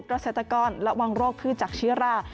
เกษตรกรระวังโรคคือจักรชิรา